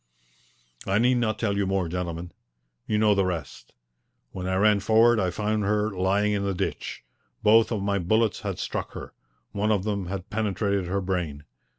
I need not tell you more, gentlemen. You know the rest. When I ran forward I found her lying in the ditch. Both of my bullets had struck her. One of them had penetrated her brain.